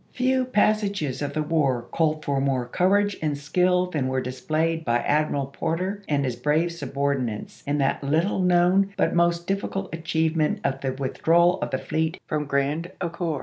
Few passages of the war called for more courage and skill than were displayed by Admiral Porter and his brave subordinates in that little known but most difficult achievement of the withdrawal of the fleet from Grrand Ecore.